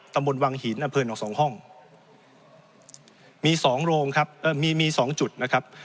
ตำบนวังหินอเผินออกสองห้องมีสองโรงครับเอ่อมีมีสองจุดนะครับ